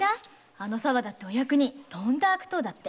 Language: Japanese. あの沢田ってお役人とんだ悪党だって。